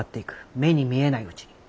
目に見えないうちに。